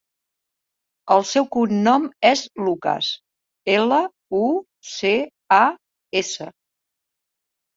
El seu cognom és Lucas: ela, u, ce, a, essa.